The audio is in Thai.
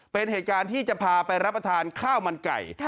เป็นเหตุการณ์ที่จะพาไปรับประทานข้าวมันไก่